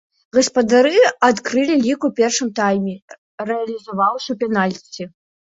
Гаспадары адкрылі лік у першым тайме, рэалізаваўшы пенальці.